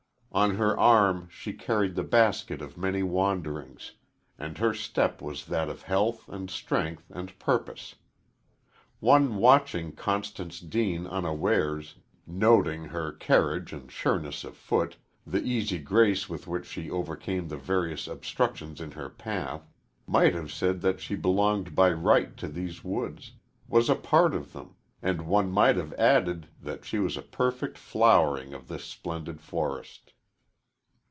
On her arm she carried the basket of many wanderings, and her step was that of health and strength and purpose. One watching Constance Deane unawares noting her carriage and sureness of foot, the easy grace with which she overcame the various obstructions in her path might have said that she belonged by right to these woods, was a part of them, and one might have added that she was a perfect flowering of this splendid forest.